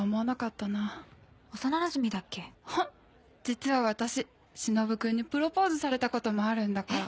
実は私しのぶくんにプロポーズされたこともあるんだから。